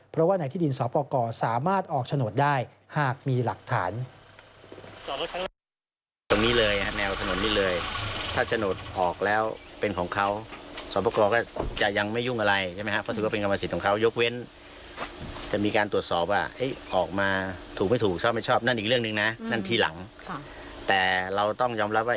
เพราะว่าในที่ดินสอปกรสามารถออกโฉนดได้หากมีหลักฐาน